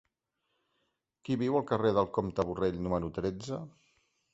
Qui viu al carrer del Comte Borrell número tretze?